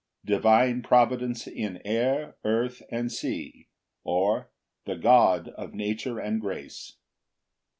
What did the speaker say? Divine providence in air, earth, and sea; or, The God of nature and grace.